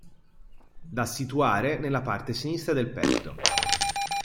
Da situare nella parte sinistra del petto.